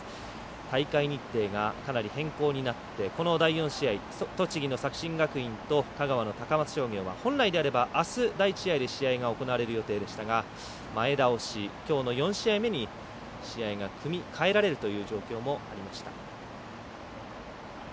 大会日程がかなり変更になってこの第４試合、栃木の作新学院と香川の高松商業高校が本来であればあす、第１試合で試合が行われる予定でしたが前倒し、きょうの４試合目に試合が組みかえられるという状況もありました。